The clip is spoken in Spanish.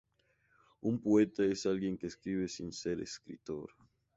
Un poeta es alguien que escribe sin ser escritor.